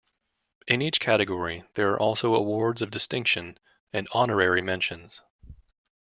In each category, there are also Awards of Distinction and Honorary Mentions.